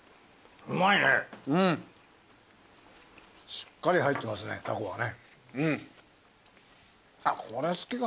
しっかり入ってますねタコがね。